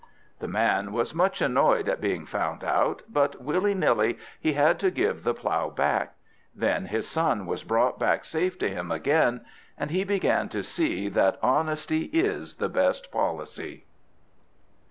The man was much annoyed at being found out, but, willy nilly, he had to give the plough back. Then his son was brought back safe to him again. And he began to see that honesty is the best policy.